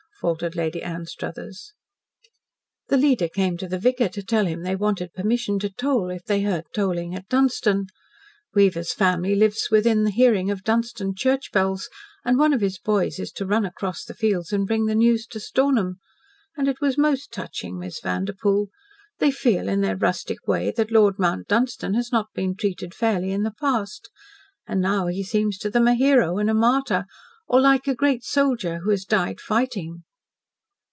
faltered Lady Anstruthers "The leader came to the vicar to tell him they wanted permission to toll if they heard tolling at Dunstan. Weaver's family lives within hearing of Dunstan church bells, and one of his boys is to run across the fields and bring the news to Stornham. And it was most touching, Miss Vanderpoel. They feel, in their rustic way, that Lord Mount Dunstan has not been treated fairly in the past. And now he seems to them a hero and a martyr or like a great soldier who has died fighting."